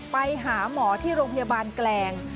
ไปหาหมอที่โรงพยาบาลแกลง